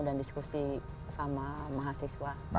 dan diskusi sama mahasiswa